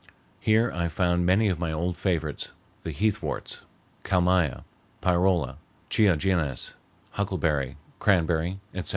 Here I found many of my old favorites the heathworts—kalmia, pyrola, chiogenes, huckleberry, cranberry, etc.